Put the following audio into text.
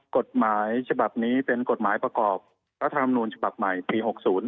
กฎหมายฉบับนี้เป็นกฎหมายประกอบรัฐธรรมนูญฉบับใหม่ปี๖๐